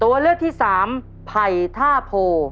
ตัวเลือกที่สามไผ่ท่าโพ